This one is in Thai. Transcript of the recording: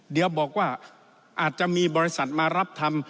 เดี๋ยวบอกว่าอาจจะมีบริษัทมารับทำ